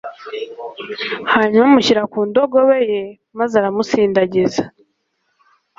hanyuma amushyira ku ndogobe ye maze aramusindagiza